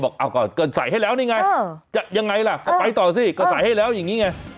บอกเอาก่อนก็ใส่ให้แล้วนี่ไงยังไงล่ะไปต่อสิก็ใส่ให้แล้วอย่างนี้ไง